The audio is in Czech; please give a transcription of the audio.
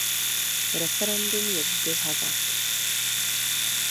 Referendum je vždy hazard.